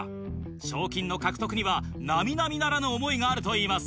賞金の獲得には並々ならぬ思いがあると言います。